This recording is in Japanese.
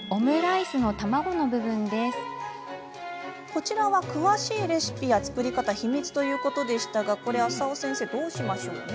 こちらは詳しいレシピや作り方秘密ということでしたがこれ浅尾先生どうしましょうね。